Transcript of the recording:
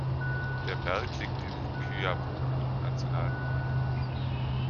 Der Berg liegt im Kyabobo-Nationalpark.